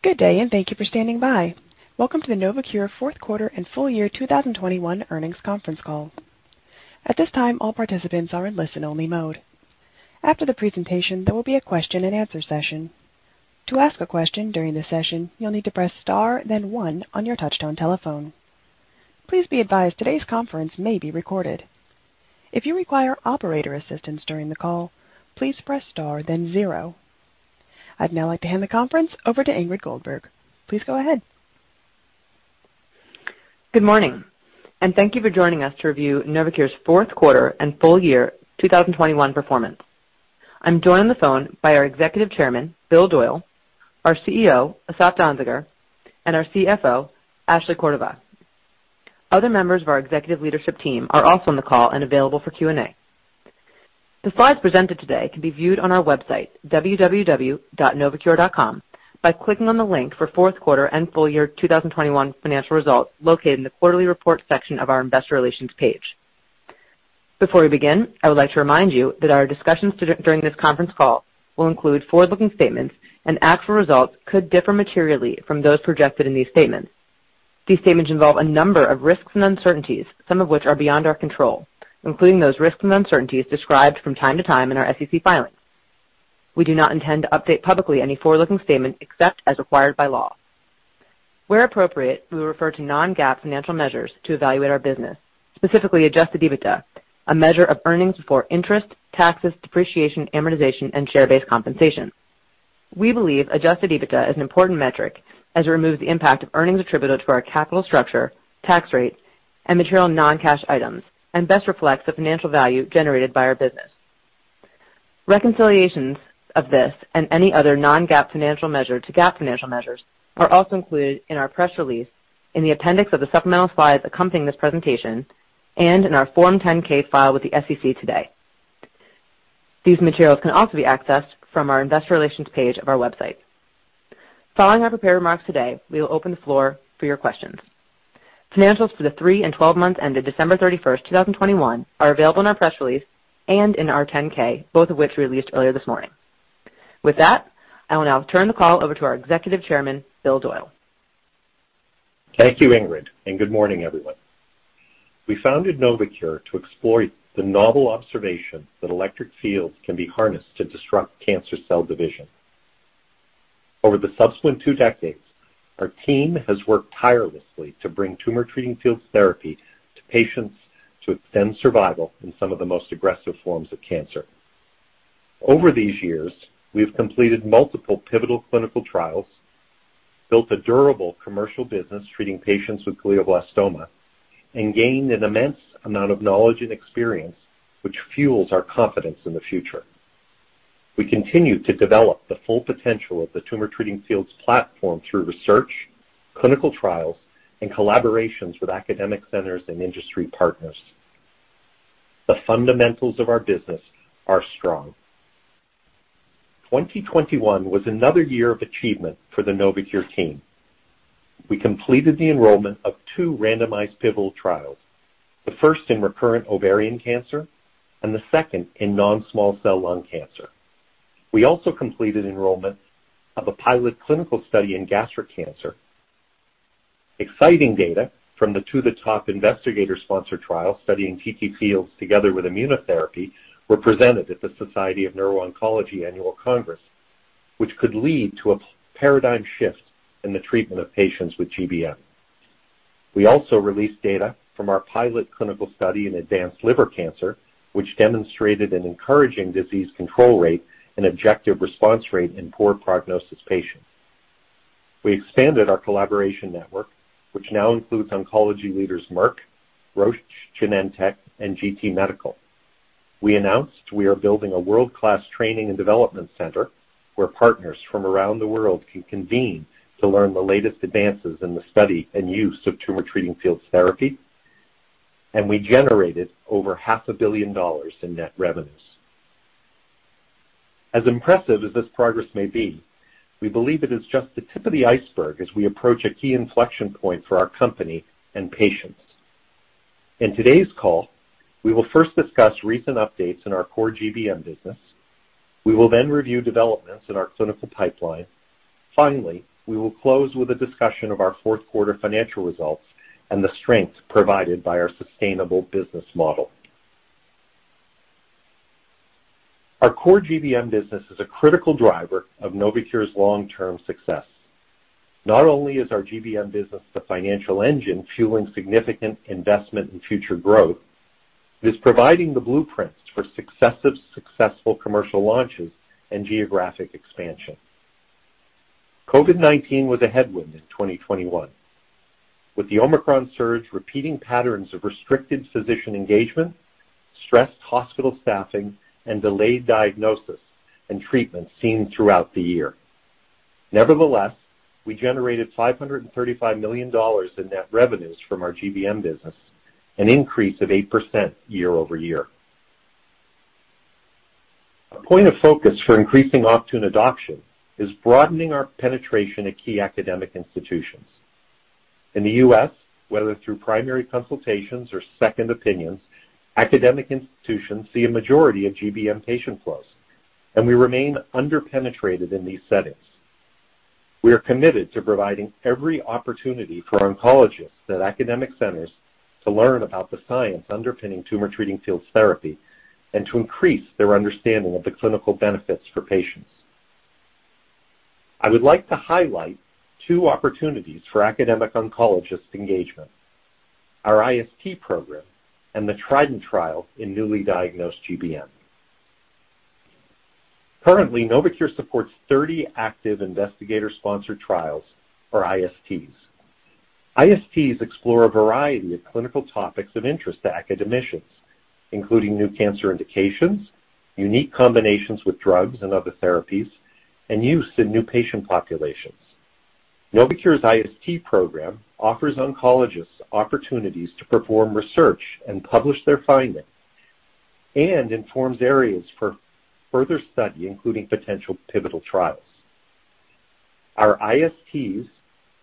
Good day, and thank you for standing by. Welcome to the NovoCure Fourth Quarter and Full Year 2021 Earnings Conference Call. At this time, all participants are in listen-only mode. After the presentation, there will be a question-and-answer session. To ask a question during the session, you'll need to press Star, then one on your touchtone telephone. Please be advised today's conference may be recorded. If you require operator assistance during the call, please press Star, then zero. I'd now like to hand the conference over to Ingrid Goldberg. Please go ahead. Good morning, and thank you for joining us to review NovoCure's fourth quarter and full year 2021 performance. I'm joined on the phone by our Executive Chairman, Bill Doyle, our CEO, Asaf Danziger, and our CFO, Ashley Cordova. Other members of our executive leadership team are also on the call and available for Q&A. The slides presented today can be viewed on our website, www.novocure.com, by clicking on the link for fourth quarter and full year 2021 financial results located in the Quarterly Report section of our Investor Relations page. Before we begin, I would like to remind you that our discussions during this conference call will include forward-looking statements, and actual results could differ materially from those projected in these statements. These statements involve a number of risks and uncertainties, some of which are beyond our control, including those risks and uncertainties described from time to time in our SEC filings. We do not intend to update publicly any forward-looking statements except as required by law. Where appropriate, we refer to non-GAAP financial measures to evaluate our business, specifically Adjusted EBITDA, a measure of earnings before interest, taxes, depreciation, amortization, and share-based compensation. We believe Adjusted EBITDA is an important metric as it removes the impact of earnings attributed to our capital structure, tax rates, and material non-cash items, and best reflects the financial value generated by our business. Reconciliations of this and any other non-GAAP financial measure to GAAP financial measures are also included in our press release in the appendix of the supplemental slides accompanying this presentation and in our Form 10-K filed with the SEC today. These materials can also be accessed from our Investor Relations page of our website. Following our prepared remarks today, we will open the floor for your questions. Financials for the three and 12 months ended December 31, 2021 are available in our press release and in our 10-K, both of which we released earlier this morning. With that, I will now turn the call over to our Executive Chairman, Bill Doyle. Thank you, Ingrid, and good morning, everyone. We founded NovoCure to explore the novel observation that electric fields can be harnessed to disrupt cancer cell division. Over the subsequent 2 decades, our team has worked tirelessly to bring Tumor Treating Fields therapy to patients to extend survival in some of the most aggressive forms of cancer. Over these years, we've completed multiple pivotal clinical trials, built a durable commercial business treating patients with glioblastoma, and gained an immense amount of knowledge and experience which fuels our confidence in the future. We continue to develop the full potential of the Tumor Treating Fields platform through research, clinical trials, and collaborations with academic centers and industry partners. The fundamentals of our business are strong. 2021 was another year of achievement for the NovoCure team. We completed the enrollment of two randomized pivotal trials, the first in recurrent ovarian cancer and the second in non-small cell lung cancer. We also completed enrollment of a pilot clinical study in gastric cancer. Exciting data from the 2-THE-TOP investigator-sponsored trial studying TTFields together with immunotherapy were presented at the Society for Neuro-Oncology Annual Congress, which could lead to a paradigm shift in the treatment of patients with GBM. We also released data from our pilot clinical study in advanced liver cancer, which demonstrated an encouraging disease control rate and objective response rate in poor prognosis patients. We expanded our collaboration network, which now includes oncology leaders Merck, Roche Genentech, and GT Medical Technologies. We announced we are building a world-class training and development center where partners from around the world can convene to learn the latest advances in the study and use of Tumor Treating Fields therapy, and we generated over half a billion dollars in net revenues. As impressive as this progress may be, we believe it is just the tip of the iceberg as we approach a key inflection point for our company and patients. In today's call, we will first discuss recent updates in our core GBM business. We will then review developments in our clinical pipeline. Finally, we will close with a discussion of our fourth quarter financial results and the strength provided by our sustainable business model. Our core GBM business is a critical driver of NovoCure's long-term success. Not only is our GBM business the financial engine fueling significant investment and future growth, it is providing the blueprints for successive successful commercial launches and geographic expansion. COVID-19 was a headwind in 2021, with the Omicron surge repeating patterns of restricted physician engagement, stressed hospital staffing, and delayed diagnosis and treatment seen throughout the year. Nevertheless, we generated $535 million in net revenues from our GBM business, an increase of 8% year-over-year. A point of focus for increasing Optune adoption is broadening our penetration at key academic institutions. In the U.S., whether through primary consultations or second opinions, academic institutions see a majority of GBM patient flows, and we remain under-penetrated in these settings. We are committed to providing every opportunity for oncologists at academic centers to learn about the science underpinning Tumor Treating Fields therapy and to increase their understanding of the clinical benefits for patients. I would like to highlight two opportunities for academic oncologist engagement: our IST program and the TRIDENT trial in newly diagnosed GBM. Currently, NovoCure supports 30 active investigator-sponsored trials or ISTs. ISTs explore a variety of clinical topics of interest to academicians, including new cancer indications, unique combinations with drugs and other therapies, and use in new patient populations. NovoCure's IST program offers oncologists opportunities to perform research and publish their findings and informs areas for further study, including potential pivotal trials. Our ISTs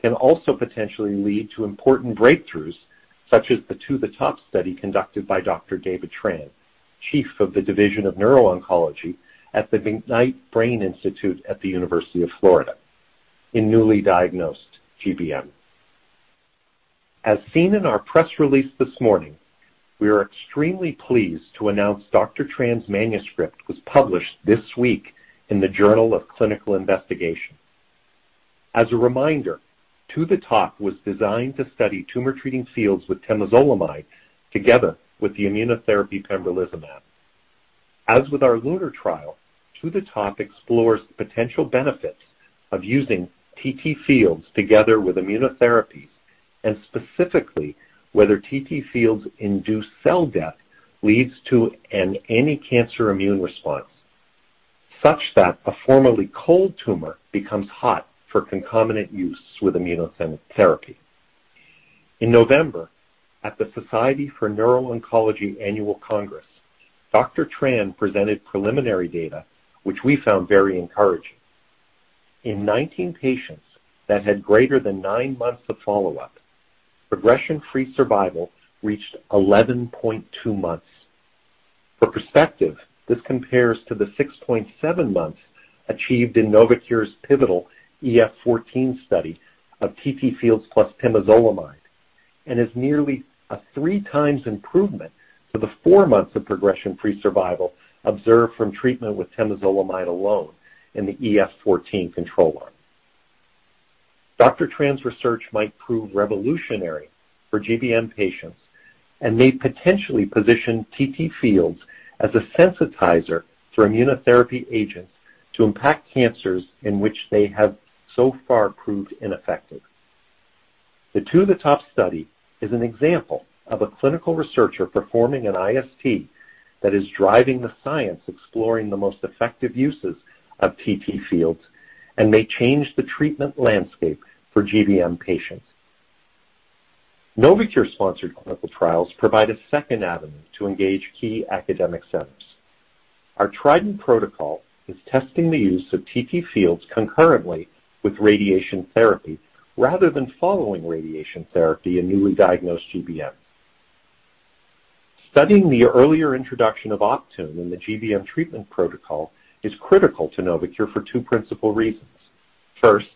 can also potentially lead to important breakthroughs, such as the To The Top study conducted by Dr. David Tran, Chief of the Division of Neuro-Oncology at the McKnight Brain Institute at the University of Florida in newly diagnosed GBM. As seen in our press release this morning, we are extremely pleased to announce Dr. Tran's manuscript was published this week in the Journal of Clinical Investigation. As a reminder, To The Top was designed to study Tumor Treating Fields with temozolomide together with the immunotherapy pembrolizumab. As with our LUNAR trial, To The Top explores the potential benefits of using TT Fields together with immunotherapies, and specifically, whether TT Fields induce cell death leads to an anti-cancer immune response, such that a formerly cold tumor becomes hot for concomitant use with immunotherapy. In November, at the Society for Neuro-Oncology Annual Congress, Dr. Tran presented preliminary data which we found very encouraging. In 19 patients that had greater than nine months of follow-up, progression-free survival reached 11.2 months. For perspective, this compares to the 6.7 months achieved in NovoCure's pivotal EF-14 study of TTFields plus temozolomide and is nearly a 3 times improvement to the four months of progression-free survival observed from treatment with temozolomide alone in the EF-14 control arm. Dr. Tran's research might prove revolutionary for GBM patients and may potentially position TTFields as a sensitizer for immunotherapy agents to impact cancers in which they have so far proved ineffective. The 2-THE-TOP study is an example of a clinical researcher performing an IST that is driving the science exploring the most effective uses of TTFields and may change the treatment landscape for GBM patients. NovoCure-sponsored clinical trials provide a second avenue to engage key academic centers. Our TRIDENT protocol is testing the use of TTFields concurrently with radiation therapy rather than following radiation therapy in newly diagnosed GBM. Studying the earlier introduction of Optune in the GBM treatment protocol is critical to Novocure for two principal reasons. First,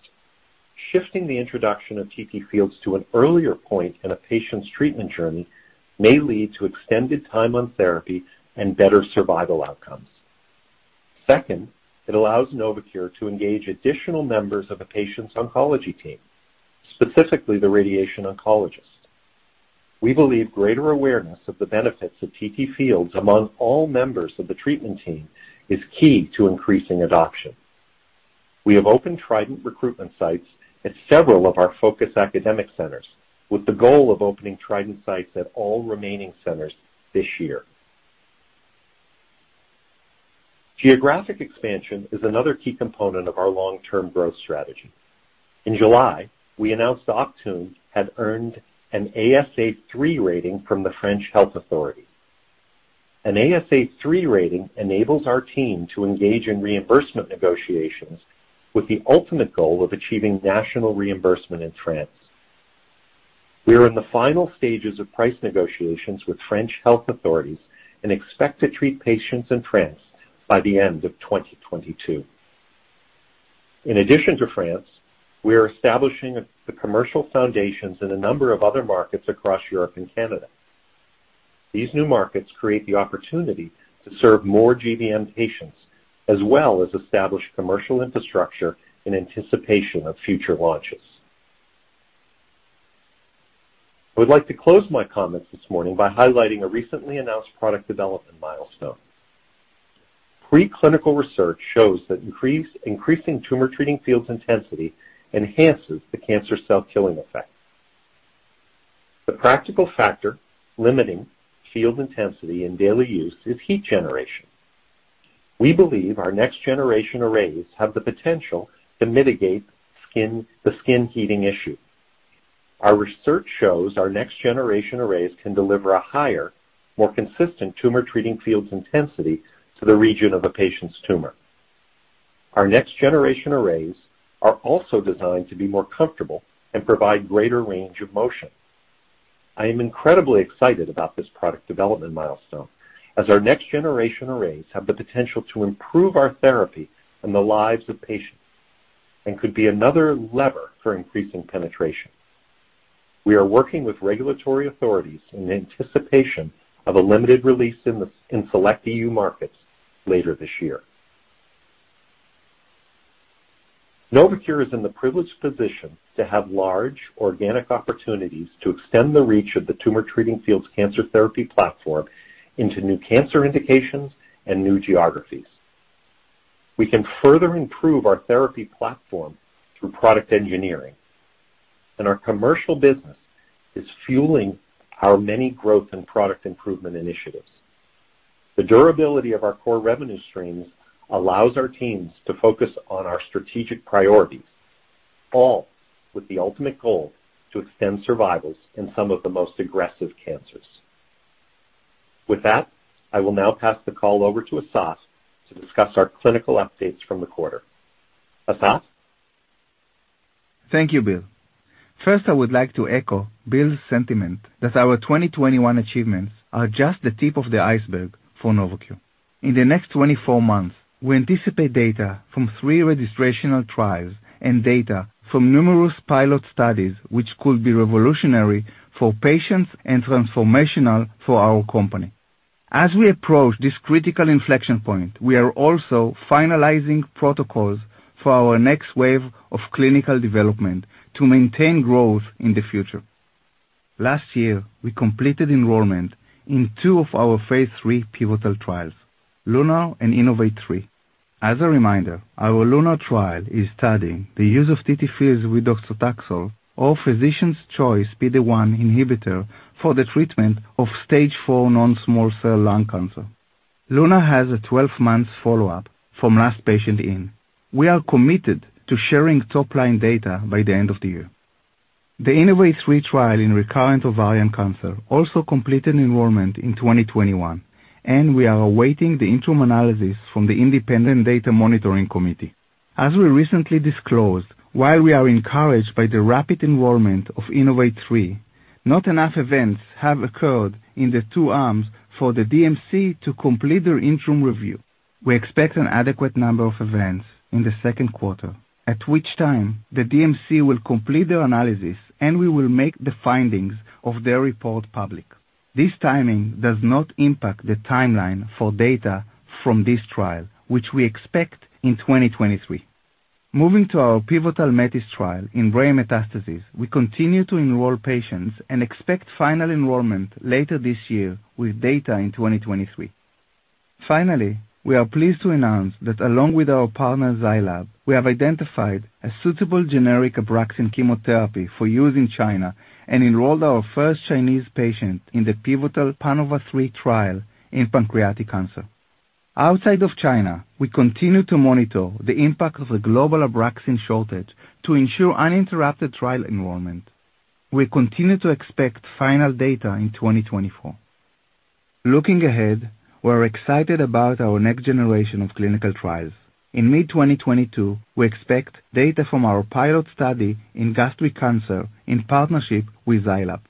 shifting the introduction of TTFields to an earlier point in a patient's treatment journey may lead to extended time on therapy and better survival outcomes. Second, it allows Novocure to engage additional members of a patient's oncology team, specifically the radiation oncologist. We believe greater awareness of the benefits of TTFields among all members of the treatment team is key to increasing adoption. We have opened TRIDENT recruitment sites at several of our focus academic centers, with the goal of opening TRIDENT sites at all remaining centers this year. Geographic expansion is another key component of our long-term growth strategy. In July, we announced Optune had earned an ASA 3 rating from the French Health Authority. An ASA 3 rating enables our team to engage in reimbursement negotiations with the ultimate goal of achieving national reimbursement in France. We are in the final stages of price negotiations with French health authorities and expect to treat patients in France by the end of 2022. In addition to France, we are establishing the commercial foundations in a number of other markets across Europe and Canada. These new markets create the opportunity to serve more GBM patients, as well as establish commercial infrastructure in anticipation of future launches. I would like to close my comments this morning by highlighting a recently announced product development milestone. Preclinical research shows that increasing Tumor Treating Fields intensity enhances the cancer cell killing effect. The practical factor limiting field intensity in daily use is heat generation. We believe our next generation arrays have the potential to mitigate the skin heating issue. Our research shows our next generation arrays can deliver a higher, more consistent Tumor Treating Fields intensity to the region of a patient's tumor. Our next generation arrays are also designed to be more comfortable and provide greater range of motion. I am incredibly excited about this product development milestone as our next generation arrays have the potential to improve our therapy and the lives of patients and could be another lever for increasing penetration. We are working with regulatory authorities in anticipation of a limited release in select EU markets later this year. NovoCure is in the privileged position to have large organic opportunities to extend the reach of the Tumor Treating Fields cancer therapy platform into new cancer indications and new geographies. We can further improve our therapy platform through product engineering, and our commercial business is fueling our many growth and product improvement initiatives. The durability of our core revenue streams allows our teams to focus on our strategic priorities, all with the ultimate goal to extend survivals in some of the most aggressive cancers. With that, I will now pass the call over to Asaf to discuss our clinical updates from the quarter. Asaf? Thank you, Bill. First, I would like to echo Bill's sentiment that our 2021 achievements are just the tip of the iceberg for NovoCure. In the next 24 months, we anticipate data from three registrational trials and data from numerous pilot studies, which could be revolutionary for patients and transformational for our company. As we approach this critical inflection point, we are also finalizing protocols for our next wave of clinical development to maintain growth in the future. Last year, we completed enrollment in two of our phase III pivotal trials, LUNAR and INNOVATE-3. As a reminder, our LUNAR trial is studying the use of TTFields with docetaxel or physician's choice PD-1 inhibitor for the treatment of stage IV non-small cell lung cancer. LUNAR has a 12-month follow-up from last patient in. We are committed to sharing top-line data by the end of the year. The INNOVATE-3 trial in recurrent ovarian cancer also completed enrollment in 2021, and we are awaiting the interim analysis from the independent data monitoring committee. As we recently disclosed, while we are encouraged by the rapid enrollment of INNOVATE-3, not enough events have occurred in the two arms for the DMC to complete their interim review. We expect an adequate number of events in the second quarter, at which time the DMC will complete their analysis, and we will make the findings of their report public. This timing does not impact the timeline for data from this trial, which we expect in 2023. Moving to our pivotal METIS trial in brain metastases, we continue to enroll patients and expect final enrollment later this year, with data in 2023. Finally, we are pleased to announce that along with our partner, Zai Lab, we have identified a suitable generic Abraxane chemotherapy for use in China and enrolled our first Chinese patient in the pivotal PANOVA-3 trial in pancreatic cancer. Outside of China, we continue to monitor the impact of the global Abraxane shortage to ensure uninterrupted trial enrollment. We continue to expect final data in 2024. Looking ahead, we're excited about our next generation of clinical trials. In mid-2022, we expect data from our pilot study in gastric cancer in partnership with Zai Lab.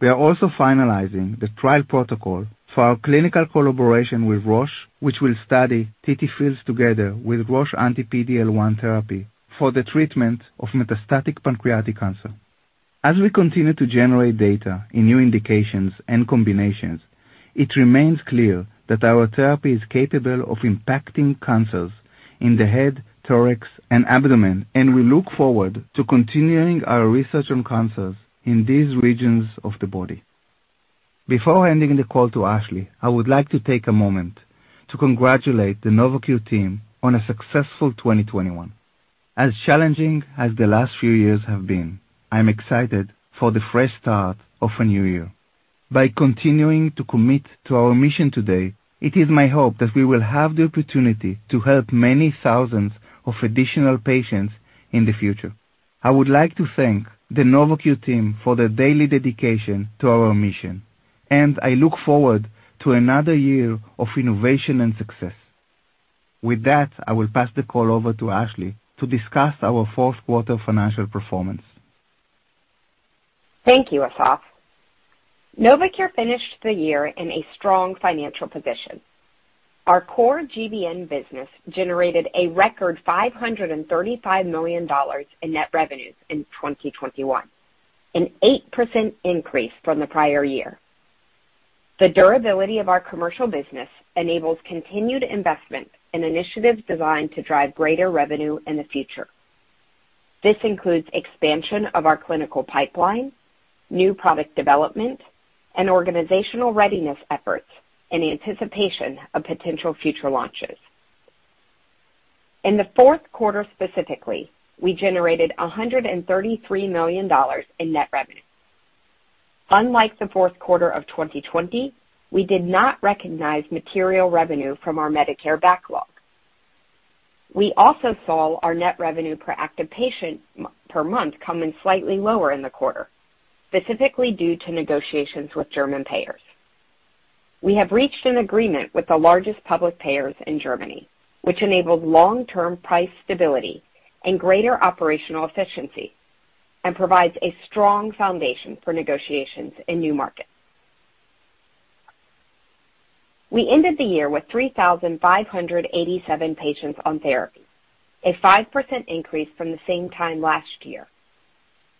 We are also finalizing the trial protocol for our clinical collaboration with Roche, which will study TTFields together with Roche anti-PD-L1 therapy for the treatment of metastatic pancreatic cancer. As we continue to generate data in new indications and combinations, it remains clear that our therapy is capable of impacting cancers in the head, thorax, and abdomen, and we look forward to continuing our research on cancers in these regions of the body. Before handing the call to Ashley, I would like to take a moment to congratulate the Novocure team on a successful 2021. As challenging as the last few years have been, I'm excited for the fresh start of a new year. By continuing to commit to our mission today, it is my hope that we will have the opportunity to help many thousands of additional patients in the future. I would like to thank the Novocure team for their daily dedication to our mission, and I look forward to another year of innovation and success. With that, I will pass the call over to Ashley to discuss our fourth quarter financial performance. Thank you, Asaf. NovoCure finished the year in a strong financial position. Our core GBM business generated a record $535 million in net revenues in 2021, an 8% increase from the prior year. The durability of our commercial business enables continued investment in initiatives designed to drive greater revenue in the future. This includes expansion of our clinical pipeline, new product development, and organizational readiness efforts in anticipation of potential future launches. In the fourth quarter specifically, we generated $133 million in net revenue. Unlike the fourth quarter of 2020, we did not recognize material revenue from our Medicare backlog. We also saw our net revenue per active patient per month come in slightly lower in the quarter, specifically due to negotiations with German payers. We have reached an agreement with the largest public payers in Germany, which enables long-term price stability and greater operational efficiency and provides a strong foundation for negotiations in new markets. We ended the year with 3,587 patients on therapy, a 5% increase from the same time last year.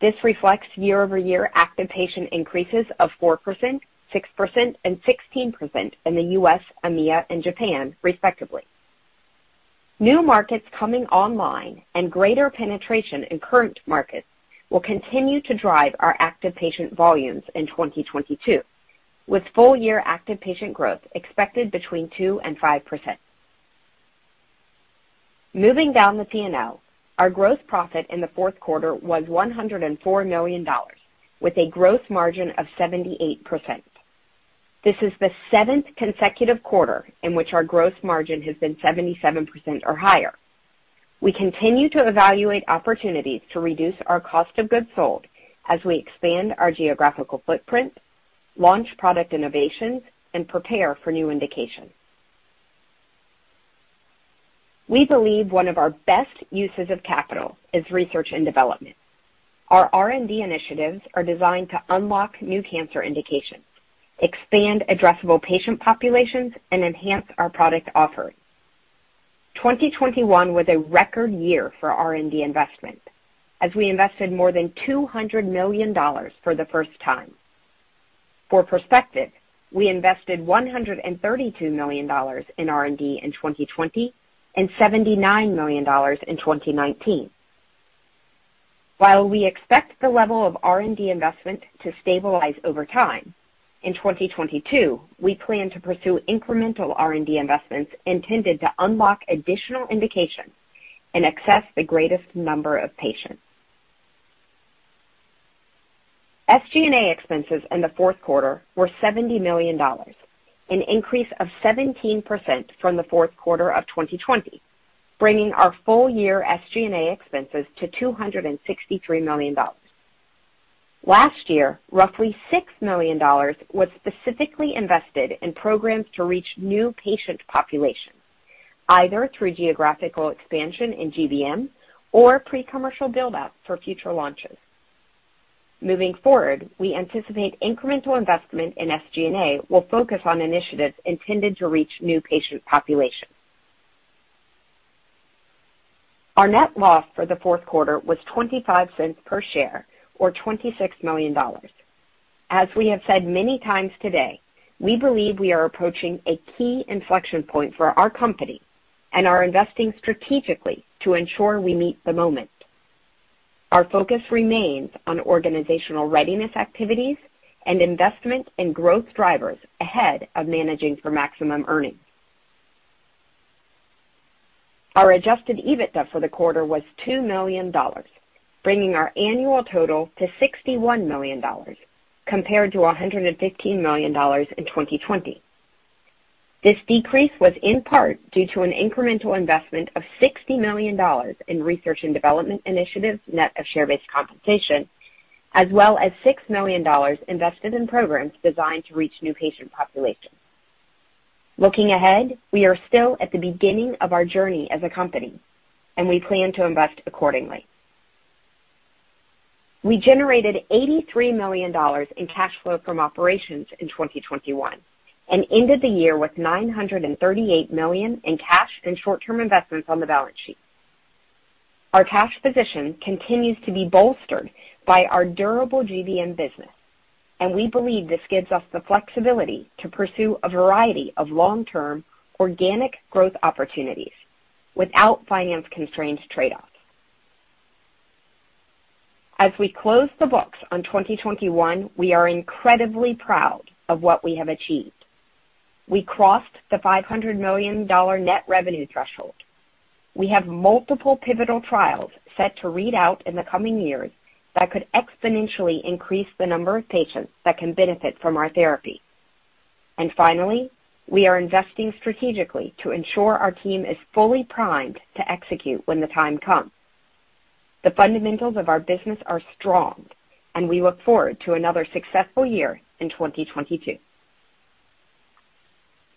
This reflects year-over-year active patient increases of 4%, 6%, and 16% in the U.S., EMEA, and Japan, respectively. New markets coming online and greater penetration in current markets will continue to drive our active patient volumes in 2022, with full-year active patient growth expected between 2% and 5%. Moving down the P&L, our gross profit in the fourth quarter was $104 million, with a gross margin of 78%. This is the seventh consecutive quarter in which our gross margin has been 77% or higher. We continue to evaluate opportunities to reduce our cost of goods sold as we expand our geographical footprint, launch product innovations, and prepare for new indications. We believe one of our best uses of capital is research and development. Our R&D initiatives are designed to unlock new cancer indications, expand addressable patient populations, and enhance our product offerings. 2021 was a record year for R&D investment as we invested more than $200 million for the first time. For perspective, we invested $132 million in R&D in 2020 and $79 million in 2019. While we expect the level of R&D investment to stabilize over time, in 2022, we plan to pursue incremental R&D investments intended to unlock additional indications and access the greatest number of patients. SG&A expenses in the fourth quarter were $70 million, an increase of 17% from the fourth quarter of 2020, bringing our full-year SG&A expenses to $263 million. Last year, roughly $6 million was specifically invested in programs to reach new patient populations, either through geographical expansion in GBM or pre-commercial build-out for future launches. Moving forward, we anticipate incremental investment in SG&A will focus on initiatives intended to reach new patient populations. Our net loss for the fourth quarter was $0.25 per share or $26 million. As we have said many times today, we believe we are approaching a key inflection point for our company and are investing strategically to ensure we meet the moment. Our focus remains on organizational readiness activities and investment in growth drivers ahead of managing for maximum earnings. Our Adjusted EBITDA for the quarter was $2 million, bringing our annual total to $61 million compared to $115 million in 2020. This decrease was in part due to an incremental investment of $60 million in research and development initiatives, net of share-based compensation, as well as $6 million invested in programs designed to reach new patient populations. Looking ahead, we are still at the beginning of our journey as a company, and we plan to invest accordingly. We generated $83 million in cash flow from operations in 2021 and ended the year with $938 million in cash and short-term investments on the balance sheet. Our cash position continues to be bolstered by our durable GBM business, and we believe this gives us the flexibility to pursue a variety of long-term organic growth opportunities without finance constraints trade-offs. As we close the books on 2021, we are incredibly proud of what we have achieved. We crossed the $500 million net revenue threshold. We have multiple pivotal trials set to read out in the coming years that could exponentially increase the number of patients that can benefit from our therapy. Finally, we are investing strategically to ensure our team is fully primed to execute when the time comes. The fundamentals of our business are strong, and we look forward to another successful year in 2022.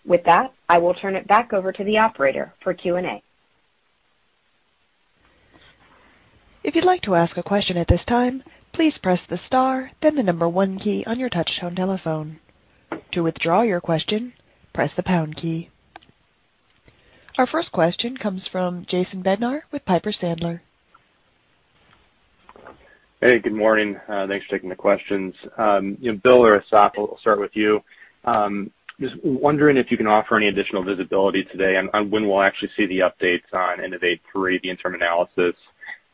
With that, I will turn it back over to the operator for Q&A. Our first question comes from Jason Bednar with Piper Sandler. Hey, good morning. Thanks for taking the questions. You know, Bill or Asaf, I'll start with you. Just wondering if you can offer any additional visibility today on when we'll actually see the updates on INNOVATE-3, the interim analysis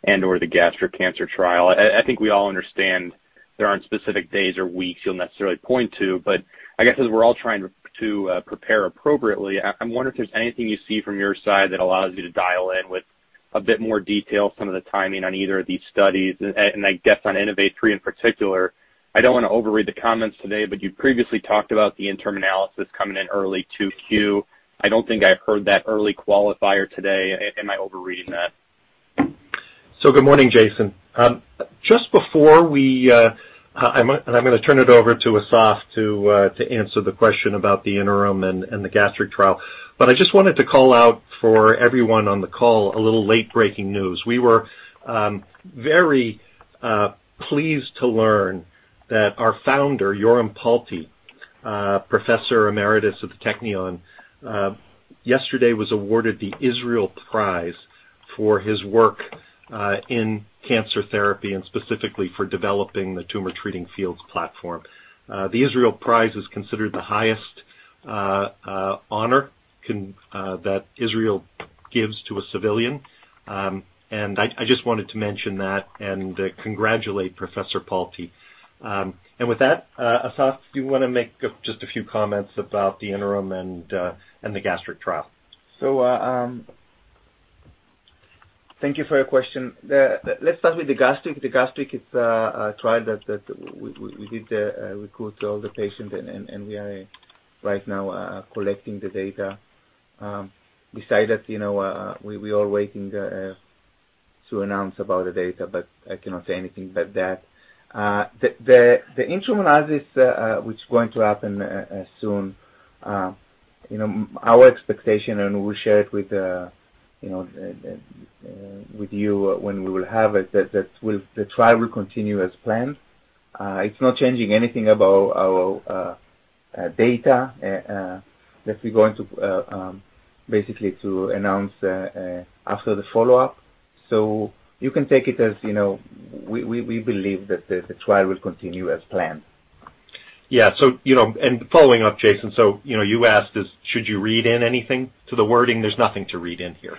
and/or the gastric cancer trial. I think we all understand there aren't specific days or weeks you'll necessarily point to. But I guess, as we're all trying to prepare appropriately, I'm wondering if there's anything you see from your side that allows you to dial in with a bit more detail some of the timing on either of these studies. And I guess on INNOVATE-3 in particular, I don't wanna overread the comments today, but you previously talked about the interim analysis coming in early 2Q. I don't think I heard that early qualifier today. Am I overreading that? Good morning, Jason. Just before we, I'm gonna turn it over to Asaf to answer the question about the interim and the gastric trial. I just wanted to call out for everyone on the call a little late-breaking news. We were very pleased to learn that our founder, Yoram Palti, Professor Emeritus of the Technion, yesterday was awarded the Israel Prize for his work in cancer therapy and specifically for developing the Tumor Treating Fields platform. The Israel Prize is considered the highest honor that Israel gives to a civilian. I just wanted to mention that and congratulate Professor Palti. With that, Asaf, do you wanna make just a few comments about the interim and the gastric trial? Thank you for your question. Let's start with the gastric. The gastric, it's a trial that we did recruit all the patients and we are right now collecting the data. Besides that, you know, we are waiting to announce about the data, but I cannot say anything but that. The interim analysis, which is going to happen soon, you know, our expectation, and we'll share it with you know, with you when we will have it, that the trial will continue as planned. It's not changing anything about our data that we're going to basically announce after the follow-up. You can take it as, you know, we believe that the trial will continue as planned. You know, following up, Jason, you know, you asked us, should you read in anything to the wording? There's nothing to read in here.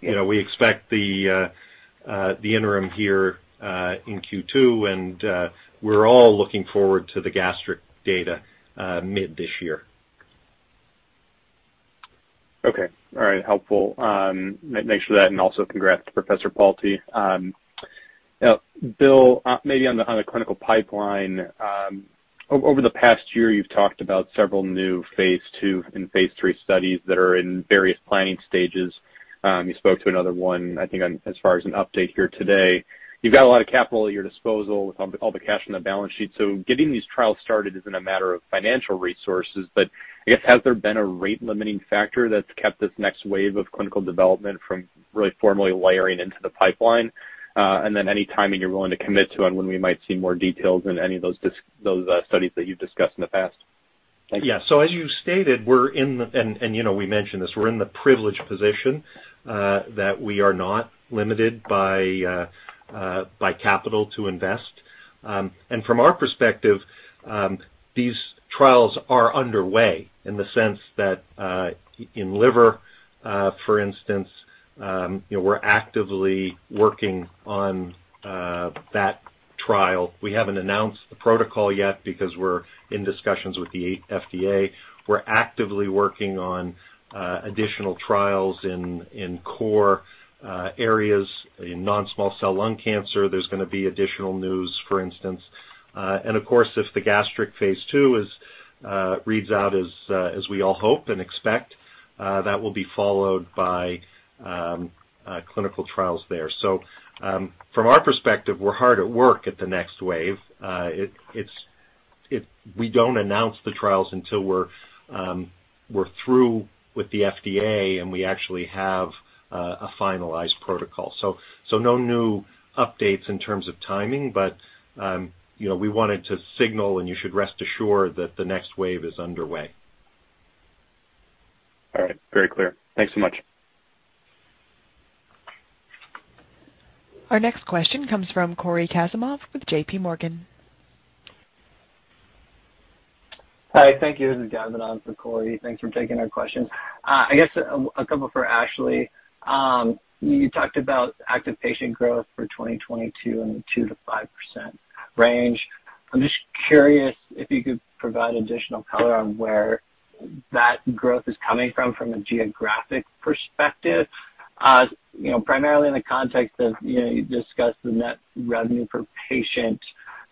You know, we expect the interim here in Q2, and we're all looking forward to the gastric data mid this year. Okay. All right. Helpful. Thanks for that and also congrats to Professor Palti. Bill, maybe on the clinical pipeline, over the past year, you've talked about several new phase II and phase III studies that are in various planning stages. You spoke to another one, I think on Asaf's update here today. You've got a lot of capital at your disposal with all the cash on the balance sheet. Getting these trials started isn't a matter of financial resources. I guess, has there been a rate-limiting factor that's kept this next wave of clinical development from really formally layering into the pipeline? And then any timing you're willing to commit to and when we might see more details in any of those studies that you've discussed in the past? Thank you. Yeah. As you stated, you know, we mentioned this, we're in the privileged position that we are not limited by capital to invest. From our perspective, these trials are underway in the sense that in liver, for instance, you know, we're actively working on that trial. We haven't announced the protocol yet because we're in discussions with the FDA. We're actively working on additional trials in core areas. In non-small cell lung cancer, there's gonna be additional news, for instance. Of course, if the gastric phase II reads out as we all hope and expect, that will be followed by clinical trials there. From our perspective, we're hard at work at the next wave. We don't announce the trials until we're through with the FDA, and we actually have a finalized protocol. No new updates in terms of timing, but you know, we wanted to signal and you should rest assured that the next wave is underway. All right. Very clear. Thanks so much. Our next question comes from Cory Kasimov with J.P. Morgan. This is Cory Kasimov. Thanks for taking our question. I guess a couple for Ashley. You talked about active patient growth for 2022 in the 2%-5% range. I'm just curious if you could provide additional color on where that growth is coming from a geographic perspective. You know, primarily in the context of, you know, you discussed the net revenue per patient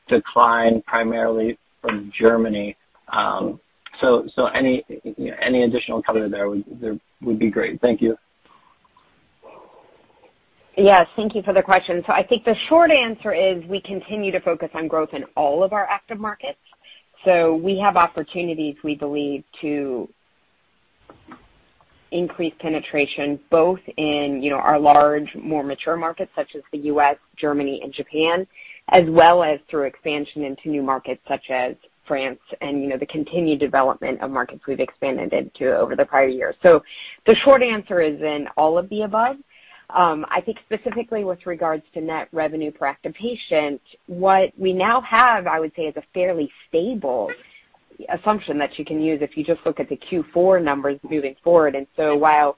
decline primarily from Germany. So any additional color there would be great. Thank you. Yes. Thank you for the question. I think the short answer is we continue to focus on growth in all of our active markets. We have opportunities, we believe, to increase penetration both in, you know, our large, more mature markets such as the U.S., Germany, and Japan, as well as through expansion into new markets such as France and, you know, the continued development of markets we've expanded into over the prior years. The short answer is in all of the above. I think specifically with regards to net revenue per active patient, what we now have, I would say, is a fairly stable assumption that you can use if you just look at the Q4 numbers moving forward. While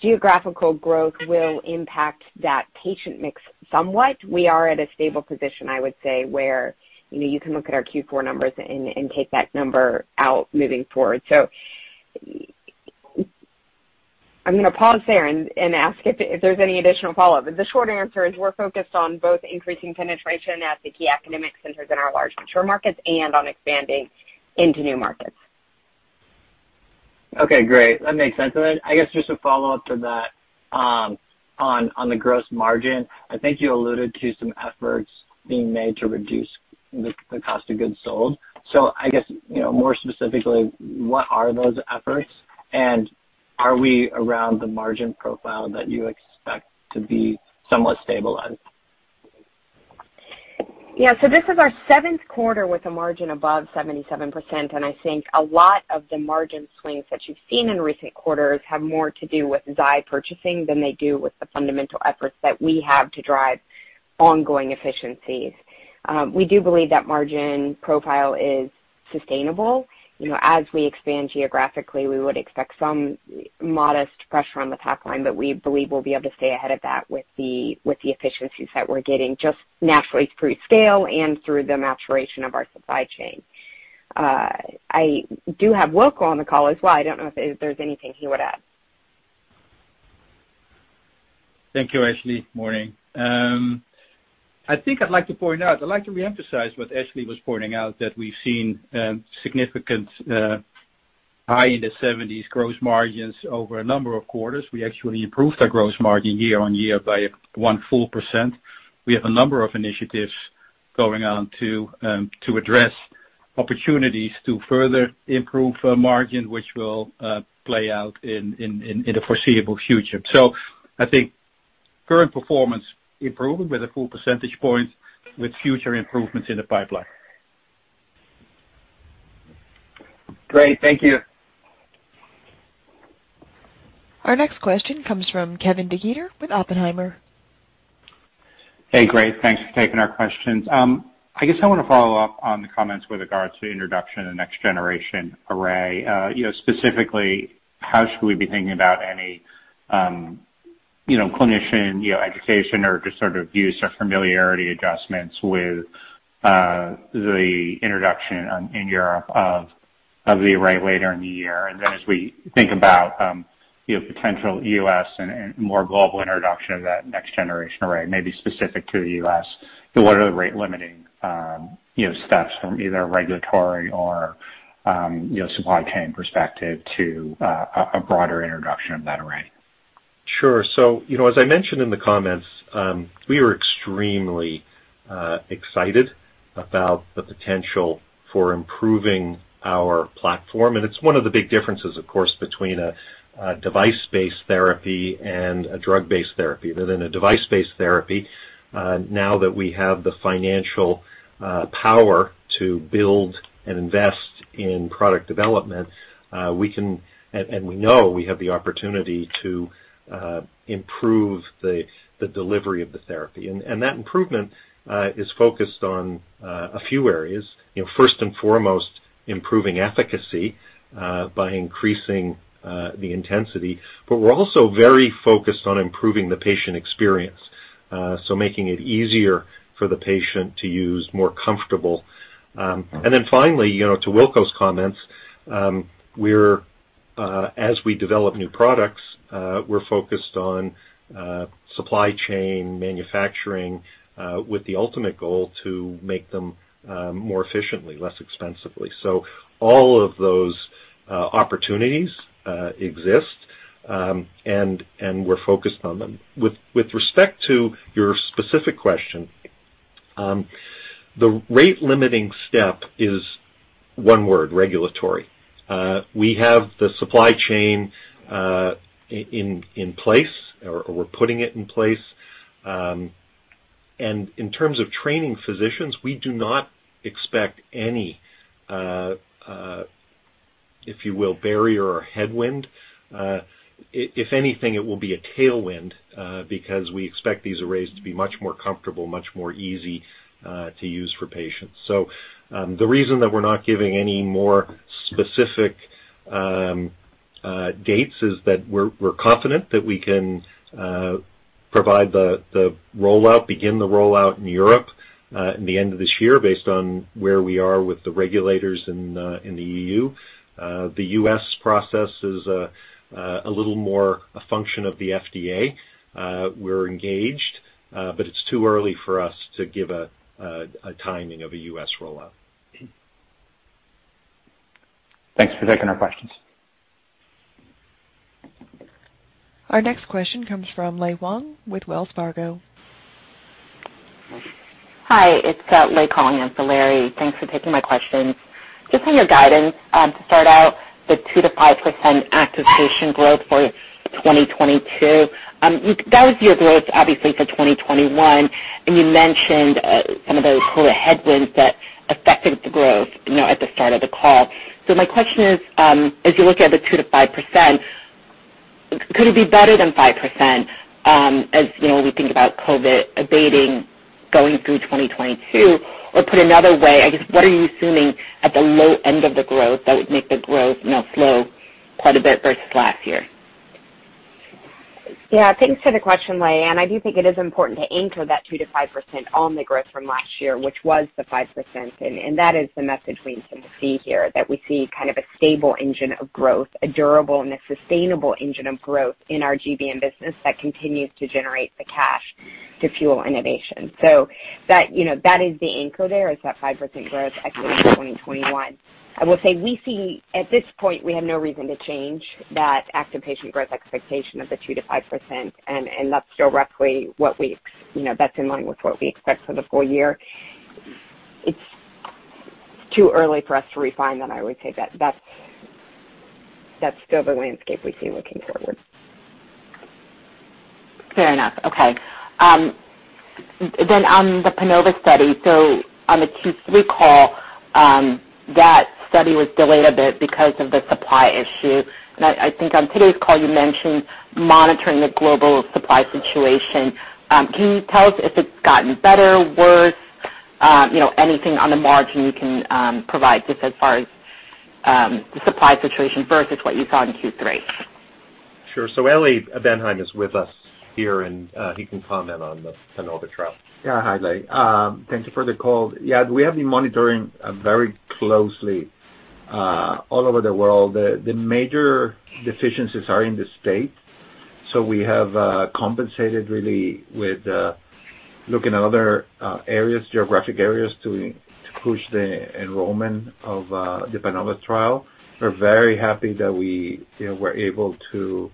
geographical growth will impact that patient mix somewhat, we are at a stable position, I would say, where, you know, you can look at our Q4 numbers and take that number out moving forward. I'm gonna pause there and ask if there's any additional follow-up. The short answer is we're focused on both increasing penetration at the key academic centers in our large mature markets and on expanding into new markets. Okay, great. That makes sense then. I guess just a follow-up to that, on the gross margin. I think you alluded to some efforts being made to reduce the cost of goods sold. I guess, you know, more specifically, what are those efforts? And are we around the margin profile that you expect to be somewhat stabilized? Yeah. This is our seventh quarter with a margin above 77%, and I think a lot of the margin swings that you've seen in recent quarters have more to do with Zai purchasing than they do with the fundamental efforts that we have to drive ongoing efficiencies. We do believe that margin profile is sustainable. You know, as we expand geographically, we would expect some modest pressure on the top line, but we believe we'll be able to stay ahead of that with the efficiencies that we're getting just naturally through scale and through the maturation of our supply chain. I do have Wilco on the call as well. I don't know if there's anything he would add. Thank you, Ashley. Morning. I think I'd like to point out. I'd like to reemphasize what Ashley was pointing out that we've seen significant high 70s gross margins over a number of quarters. We actually improved our gross margin year-on-year by 1 full %. We have a number of initiatives going on to address opportunities to further improve our margin, which will play out in the foreseeable future. I think current performance improving with a full percentage point with future improvements in the pipeline. Great. Thank you. Our next question comes from Kevin DeGeeter with Oppenheimer. Hey, great. Thanks for taking our questions. I guess I want to follow up on the comments with regards to the introduction of next generation array. You know, specifically, how should we be thinking about any, you know, clinician, you know, education or just sort of use or familiarity adjustments with the introduction in Europe of the array later in the year? And then as we think about, you know, potential U.S. and more global introduction of that next generation array, maybe specific to the U.S., what are the rate limiting, you know, steps from either a regulatory or, you know, supply chain perspective to a broader introduction of that array? Sure. You know, as I mentioned in the comments, we are extremely excited about the potential for improving our platform. It's one of the big differences, of course, between a device-based therapy and a drug-based therapy. That in a device-based therapy, now that we have the financial power to build and invest in product development, we can and we know we have the opportunity to improve the delivery of the therapy. That improvement is focused on a few areas. You know, first and foremost, improving efficacy by increasing the intensity. We're also very focused on improving the patient experience, so making it easier for the patient to use, more comfortable. Finally, you know, to Wilco's comments, as we develop new products, we're focused on supply chain manufacturing with the ultimate goal to make them more efficiently, less expensively. All of those opportunities exist, and we're focused on them. With respect to your specific question, the rate limiting step is one word, regulatory. We have the supply chain in place, or we're putting it in place. In terms of training physicians, we do not expect any, if you will, barrier or headwind. If anything, it will be a tailwind, because we expect these arrays to be much more comfortable, much more easy to use for patients. The reason that we're not giving any more specific dates is that we're confident that we can begin the rollout in Europe in the end of this year based on where we are with the regulators in the EU. The U.S. process is a little more a function of the FDA. We're engaged, but it's too early for us to give a timing of a U.S. rollout. Thanks for taking our questions. Our next question comes from Lei Wang with Wells Fargo. Hi, it's Lei calling in for Larry. Thanks for taking my questions. Just on your guidance, to start out with 2%-5% active patient growth for 2022, that was your growth obviously for 2021, and you mentioned some of those sort of headwinds that affected the growth, you know, at the start of the call. My question is, as you look at the 2%-5%, could it be better than 5%, as you know, we think about COVID abating going through 2022? Or put another way, I guess, what are you assuming at the low end of the growth that would make the growth, you know, slow quite a bit versus last year? Yeah. Thanks for the question, Lei. I do think it is important to anchor that 2%-5% on the growth from last year, which was the 5%. That is the message we seem to see here, that we see kind of a stable engine of growth, a durable and a sustainable engine of growth in our GBM business that continues to generate the cash to fuel innovation. That, you know, that is the anchor there, is that 5% growth exiting 2021. I will say we see at this point, we have no reason to change that active patient growth expectation of the 2%-5%, and that's directly you know, that's in line with what we expect for the full year. It's too early for us to refine that, I would say. That's That's still the landscape we see looking forward. Fair enough. Okay. Then on the PANOVA study. On the Q3 call, that study was delayed a bit because of the supply issue. I think on today's call you mentioned monitoring the global supply situation. Can you tell us if it's gotten better, worse? You know, anything on the margin you can provide just as far as the supply situation versus what you saw in Q3? Sure. Ely Benaim is with us here, and he can comment on the PANOVA trial. Yeah. Hi. Thank you for the call. Yeah, we have been monitoring very closely all over the world. The major deficiencies are in the States. We have compensated really with looking at other geographic areas to push the enrollment of the PANOVA trial. We're very happy that we, you know, were able to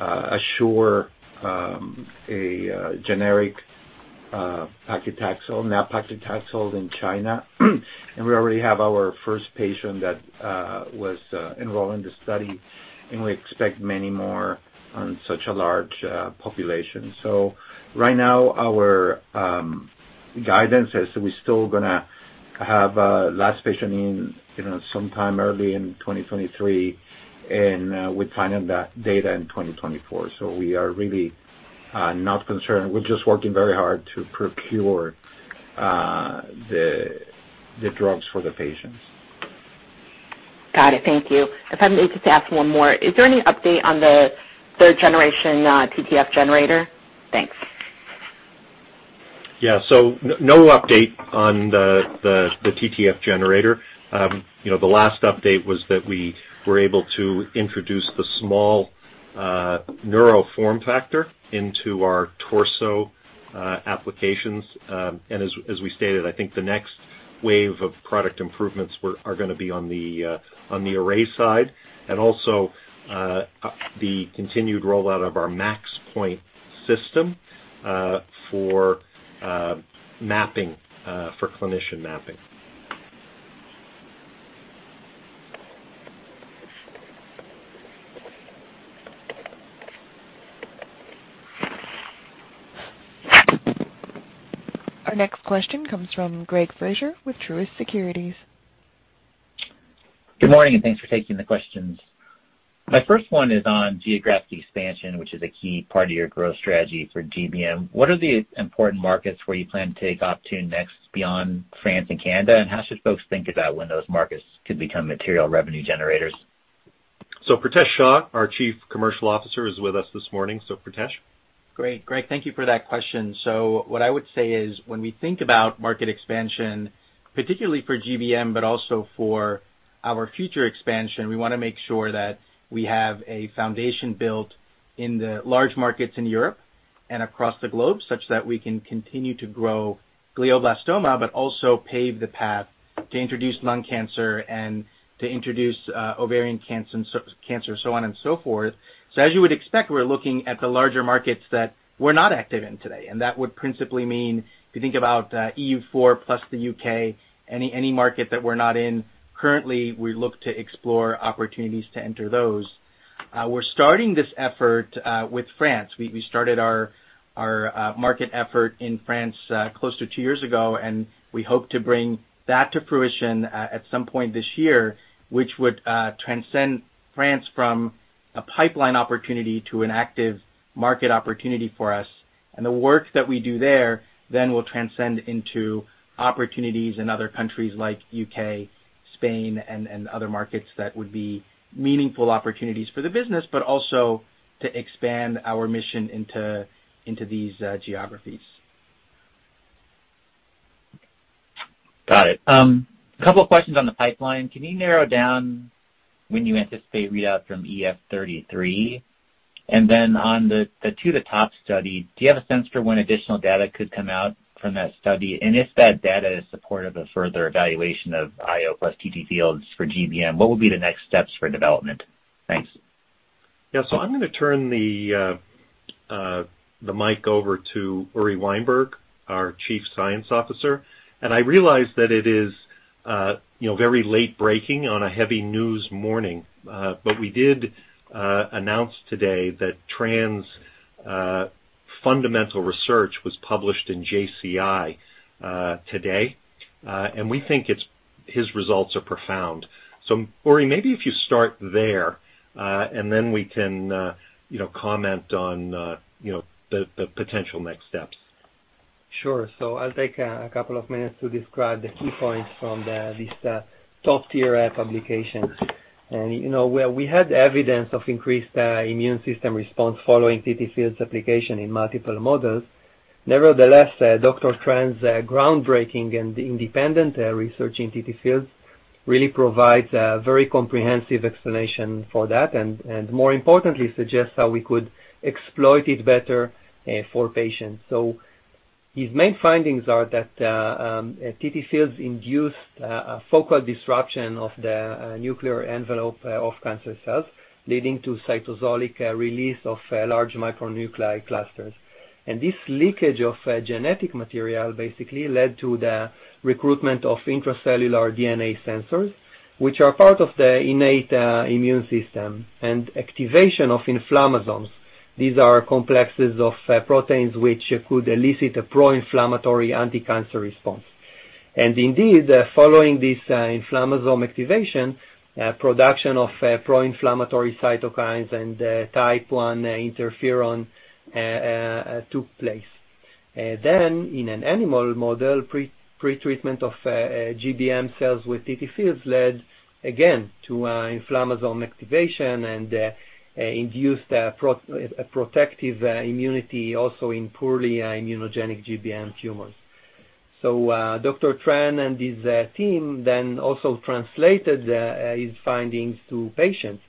assure a generic nab-paclitaxel, now nab-paclitaxel in China. We already have our first patient that was enrolled in the study, and we expect many more on such a large population. Right now our guidance is we're still gonna have last patient in, you know, sometime early in 2023, and we're planning that data in 2024. We are really not concerned. We're just working very hard to procure the drugs for the patients. Got it. Thank you. If I may just ask one more. Is there any update on the third generation TTFields generator? Thanks. Yeah. No update on the TTF generator. You know, the last update was that we were able to introduce the small neuro form factor into our torso applications. As we stated, I think the next wave of product improvements are gonna be on the array side and also the continued rollout of our MaxPoint system for mapping for clinician mapping. Our next question comes from Greg Fraser with Truist Securities. Good morning, and thanks for taking the questions. My first one is on geographic expansion, which is a key part of your growth strategy for GBM. What are the important markets where you plan to take Optune next beyond France and Canada? And how should folks think about when those markets could become material revenue generators? Pritesh Shah, our Chief Commercial Officer, is with us this morning. Pritesh. Great. Greg, thank you for that question. What I would say is, when we think about market expansion, particularly for GBM but also for our future expansion, we wanna make sure that we have a foundation built in the large markets in Europe and across the globe such that we can continue to grow glioblastoma but also pave the path to introduce lung cancer and to introduce ovarian cancer and so on and so forth. As you would expect, we're looking at the larger markets that we're not active in today, and that would principally mean, if you think about, EU four plus the UK, any market that we're not in currently, we look to explore opportunities to enter those. We're starting this effort with France. We started our market effort in France close to two years ago, and we hope to bring that to fruition at some point this year, which would transition France from a pipeline opportunity to an active market opportunity for us. The work that we do there then will transition into opportunities in other countries like U.K., Spain, and other markets that would be meaningful opportunities for the business but also to expand our mission into these geographies. Got it. A couple of questions on the pipeline. Can you narrow down when you anticipate readout from EF-33? On the To The Top study, do you have a sense for when additional data could come out from that study? If that data is supportive of further evaluation of IO plus TTFields for GBM, what would be the next steps for development? Thanks. Yeah. I'm gonna turn the mic over to Uri Weinberg, our Chief Science Officer. I realize that it is, you know, very late breaking on a heavy news morning, but we did announce today that Tran’s fundamental research was published in JCI today. We think it's his results are profound. Uri, maybe if you start there, and then we can, you know, comment on, you know, the potential next steps. Sure. I'll take a couple of minutes to describe the key points from the top-tier publication, you know, where we had evidence of increased immune system response following TTFields application in multiple models. Nevertheless, Dr. Tran's groundbreaking and independent research in TTFields really provides a very comprehensive explanation for that and more importantly, suggests how we could exploit it better for patients. His main findings are that TTFields induced a focal disruption of the nuclear envelope of cancer cells. Leading to cytosolic release of large micronuclei clusters. This leakage of genetic material basically led to the recruitment of intracellular DNA sensors, which are part of the innate immune system and activation of inflammasomes. These are complexes of proteins which could elicit a pro-inflammatory anticancer response. Indeed, following this inflammasome activation, production of pro-inflammatory cytokines and type one interferon took place. In an animal model, pre-treatment of GBM cells with TT Fields led again to inflammasome activation and induced a protective immunity also in poorly immunogenic GBM tumors. Dr. Tran and his team then also translated his findings to patients,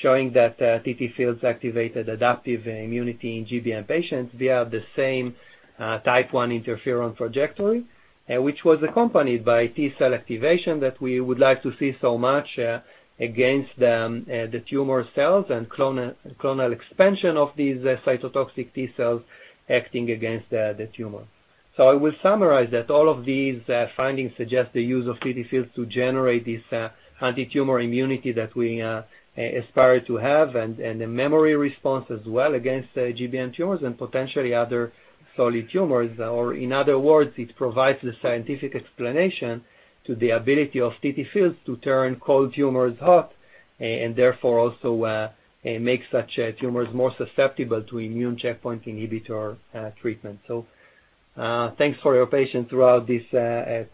showing that TTFields activated adaptive immunity in GBM patients via the same type I interferon trajectory, which was accompanied by T-cell activation that we would like to see so much against the tumor cells and clonal expansion of these cytotoxic T cells acting against the tumor. I will summarize that all of these findings suggest the use of TTFields to generate this anti-tumor immunity that we aspire to have and a memory response as well against the GBM tumors and potentially other solid tumors. In other words, it provides the scientific explanation to the ability of TTFields to turn cold tumors hot and therefore also make such tumors more susceptible to immune checkpoint inhibitor treatment. Thanks for your patience throughout this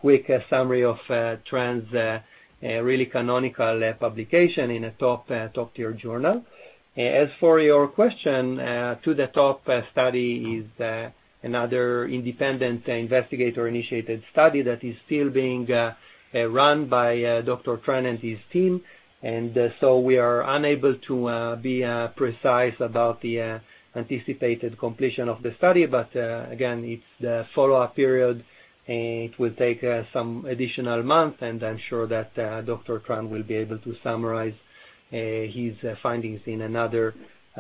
quick summary of Tran's really canonical publication in a top-tier journal. As for your question, To The Top study is another independent investigator-initiated study that is still being run by Dr. Tran and his team. We are unable to be precise about the anticipated completion of the study. Again, it's the follow-up period, and it will take some additional months, and I'm sure that Dr. Tran will be able to summarize his findings in another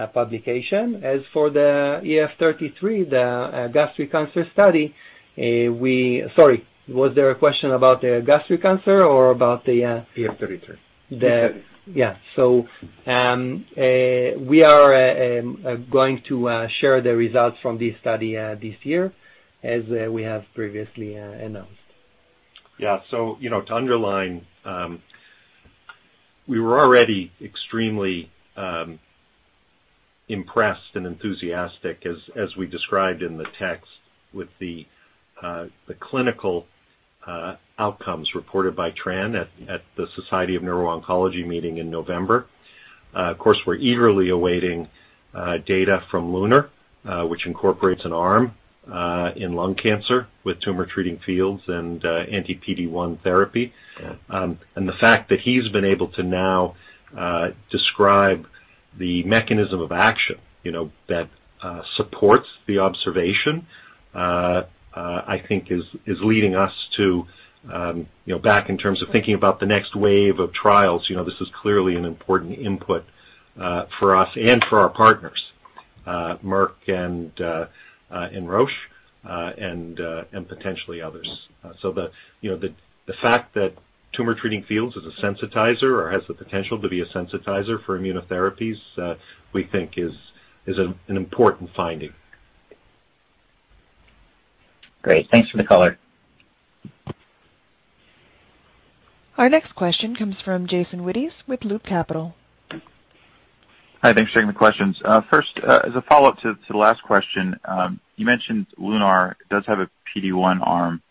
publication. As for the EF-33, the gastric cancer study, we. Sorry, was there a question about the gastric cancer or about the EF-33. We are going to share the results from this study this year, as we have previously announced. Yeah. You know, to underline, we were already extremely impressed and enthusiastic as we described in the text with the clinical outcomes reported by Tran at the Society for Neuro-Oncology meeting in November. Of course, we're eagerly awaiting data from LUNAR, which incorporates an arm in lung cancer with Tumor Treating Fields and anti-PD-1 therapy. Yeah. The fact that he's been able to now describe the mechanism of action, you know, that I think is leading us to, you know, back in terms of thinking about the next wave of trials. You know, this is clearly an important input for us and for our partners, Merck and Roche, and potentially others. You know, the fact that Tumor Treating Fields is a sensitizer or has the potential to be a sensitizer for immunotherapies, we think is an important finding. Great. Thanks for the color. Our next question comes from Jason Wittes with Loop Capital. Hi. Thanks for taking the questions. First, as a follow-up to the last question, you mentioned LUNAR does have a PD-1 arm.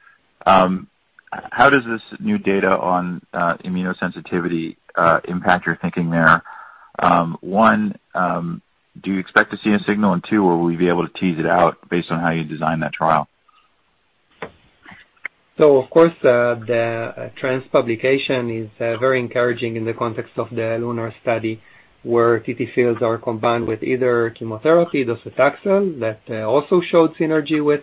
How does this new data on immuno-sensitivity impact your thinking there? One, do you expect to see a signal? Two, will we be able to tease it out based on how you design that trial? Of course, the Tran’s publication is very encouraging in the context of the LUNAR study, where TTFields are combined with either chemotherapy, docetaxel, that also showed synergy with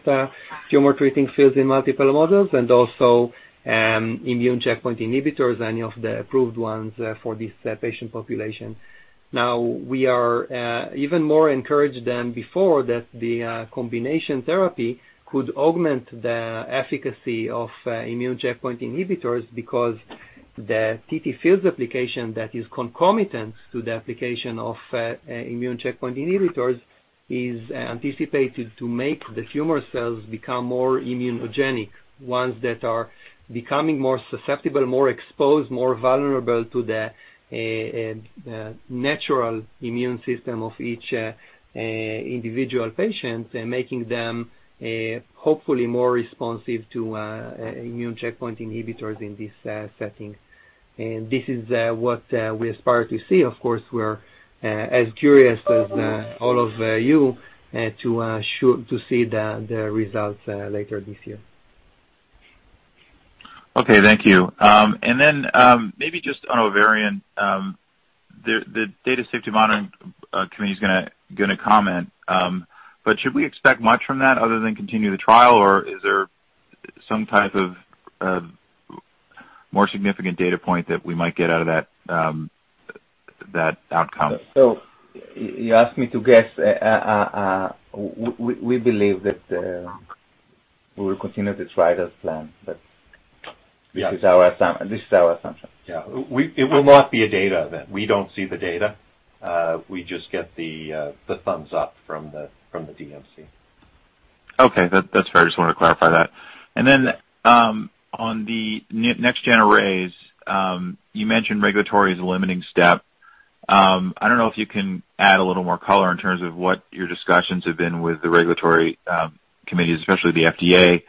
Tumor Treating Fields in multiple models and also immune checkpoint inhibitors, any of the approved ones, for this patient population. Now we are even more encouraged than before that the combination therapy could augment the efficacy of immune checkpoint inhibitors because the TTFields application that is concomitant to the application of immune checkpoint inhibitors is anticipated to make the tumor cells become more immunogenic, ones that are becoming more susceptible, more exposed, more vulnerable to the natural immune system of each individual patient, and making them hopefully more responsive to immune checkpoint inhibitors in this setting. This is what we aspire to see. Of course, we're as curious as all of you to see the results later this year. Okay. Thank you. Then, maybe just on ovarian, the data safety monitoring committee is gonna comment. Should we expect much from that other than continue the trial, or is there some type of More significant data point that we might get out of that outcome. You asked me to guess. We believe that we will continue the trial as planned. Yeah. This is our assumption. Yeah. It will not be a data event. We don't see the data. We just get the thumbs up from the DMC. Okay. That's fair. I just wanted to clarify that. Then, on the next gen arrays, you mentioned regulatory is a limiting step. I don't know if you can add a little more color in terms of what your discussions have been with the regulatory committees, especially the FDA.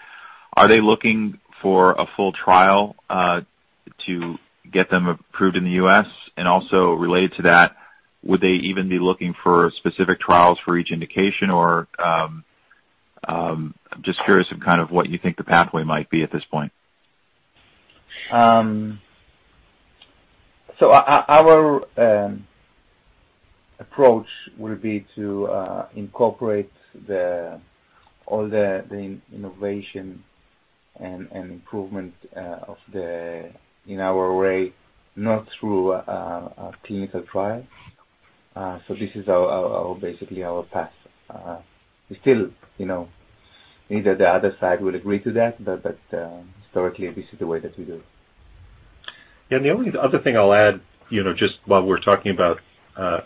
Are they looking for a full trial to get them approved in the U.S.? Also related to that, would they even be looking for specific trials for each indication or I'm just curious of kind of what you think the pathway might be at this point. Our approach will be to incorporate all the innovation and improvement in our array, not through a clinical trial. This is basically our path. We still, you know, neither the other side will agree to that, but historically, this is the way that we do. The only other thing I'll add, you know, just while we're talking about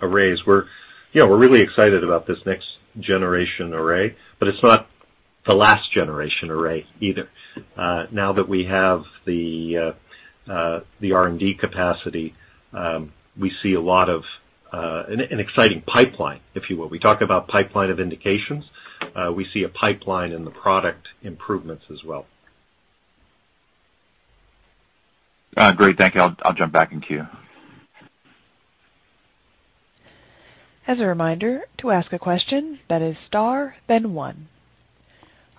arrays, we're really excited about this next generation array, but it's not the last generation array either. Now that we have the R&D capacity, we see a lot of an exciting pipeline, if you will. We talk about pipeline of indications. We see a pipeline in the product improvements as well. Great. Thank you. I'll jump back in queue.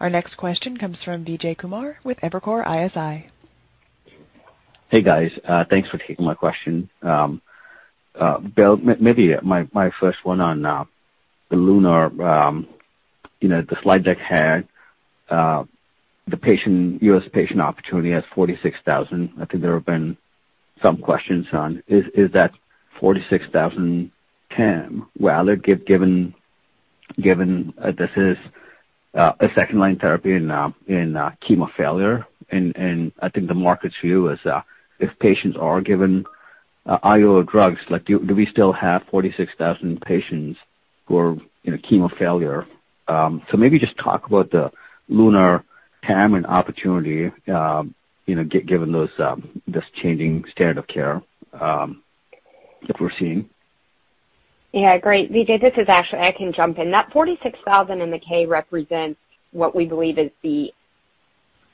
Our next question comes from Vijay Kumar with Evercore ISI. Hey, guys. Thanks for taking my question. Bill, maybe my first one on the LUNAR, you know, the slide deck had the U.S. patient opportunity has 46,000. I think there have been some questions on, is that 46,000 TAM, rather, given this is a second line therapy in chemo failure. I think the market's view is, if patients are given IO drugs like, do we still have 46,000 patients who are in chemo failure. Maybe just talk about the LUNAR TAM and opportunity, you know, given those, this changing standard of care that we're seeing. Yeah. Great. Vijay, this is Ashley. I can jump in. That 46,000 in the 10-K represents what we believe is the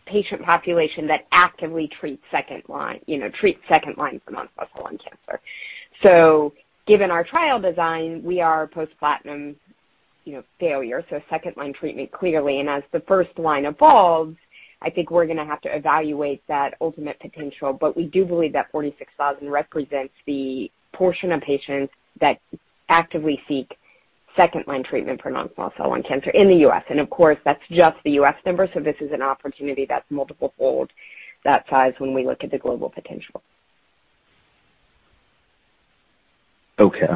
patient population that actively treats second line, you know, treats second line for non-small cell lung cancer. Given our trial design, we are post-platinum, you know, failure, so second line treatment clearly, and as the first line evolves, I think we're gonna have to evaluate that ultimate potential. We do believe that 46,000 represents the portion of patients that actively seek second line treatment for non-small cell lung cancer in the U.S. Of course, that's just the U.S. number, so this is an opportunity that's multiple fold that size when we look at the global potential. Okay.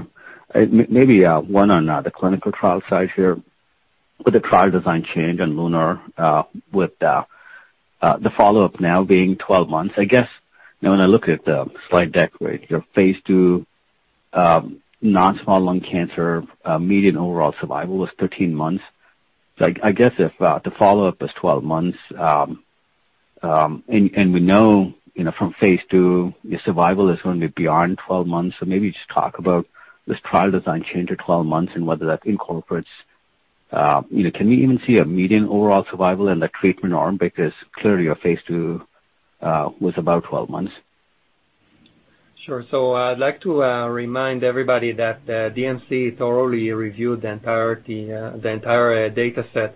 Maybe one on the clinical trial size here. With the trial design change on LUNAR, with the follow-up now being 12 months, I guess, you know, when I look at the slide deck, right, your phase II non-small cell lung cancer median overall survival was 13 months. Like, I guess if the follow-up is 12 months, and we know, you know, from phase II, your survival is gonna be beyond 12 months. So maybe just talk about this trial design change at 12 months and whether that incorporates, you know, can we even see a median overall survival in the treatment arm? Because clearly your phase II was about 12 months. Sure. I'd like to remind everybody that the DMC thoroughly reviewed the entirety, the entire dataset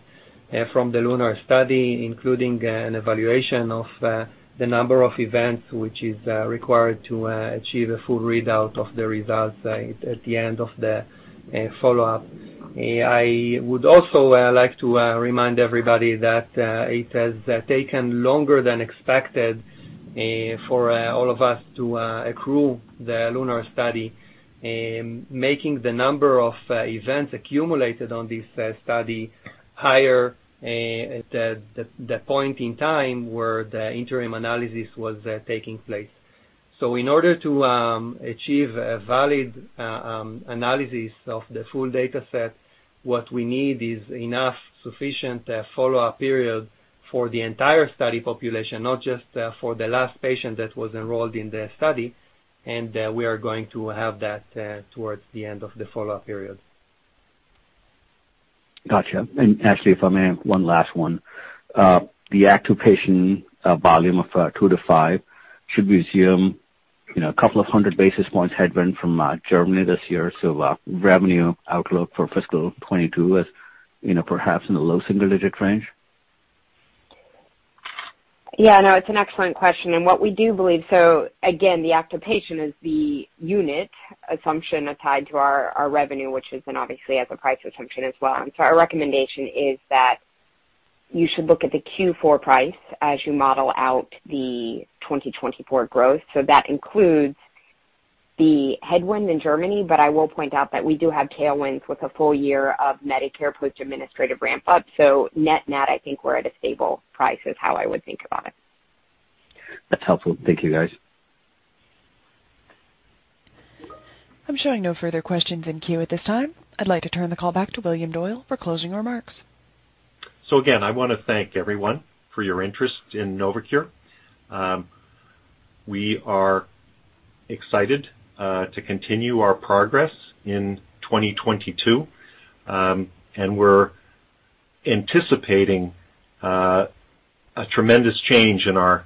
from the LUNAR study, including an evaluation of the number of events which is required to achieve a full readout of the results at the end of the follow-up. I would also like to remind everybody that it has taken longer than expected for all of us to accrue the LUNAR study, making the number of events accumulated on this study higher at the point in time where the interim analysis was taking place. in order to achieve a valid analysis of the full dataset, what we need is enough sufficient follow-up period for the entire study population, not just for the last patient that was enrolled in the study, and we are going to have that towards the end of the follow-up period. Gotcha. Ashley, if I may, one last one. The active patient volume of 2%-5%, should we assume, you know, a couple of hundred basis points headwind from Germany this year. Revenue outlook for fiscal 2022 is, you know, perhaps in the low single digit range. No, it's an excellent question. Again, the active patient is the unit assumption tied to our revenue, which is obviously a price assumption as well. Our recommendation is that you should look at the Q4 price as you model out the 2024 growth. That includes the headwind in Germany, but I will point out that we do have tailwinds with a full year of Medicare post administrative ramp up. Net net, I think we're at a stable price is how I would think about it. That's helpful. Thank you, guys. I'm showing no further questions in queue at this time. I'd like to turn the call back to William Doyle for closing remarks. Again, I wanna thank everyone for your interest in NovoCure. We are excited to continue our progress in 2022. We're anticipating a tremendous change in our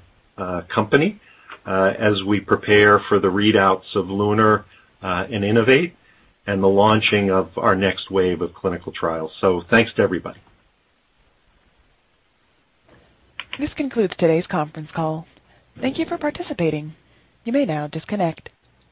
company as we prepare for the readouts of LUNAR and INNOVATE and the launching of our next wave of clinical trials. Thanks to everybody. This concludes today's conference call. Thank you for participating. You may now disconnect.